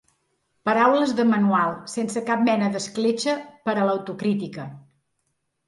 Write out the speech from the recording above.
Paraules de manual, sense cap mena d’escletxa per a l’autocrítica.